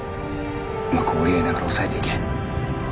うまく折り合いながら抑えていけ。